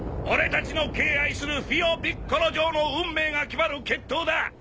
俺たちの敬愛するフィオ・ピッコロ嬢の運命が決まる決闘だ